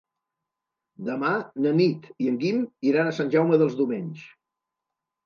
Demà na Nit i en Guim iran a Sant Jaume dels Domenys.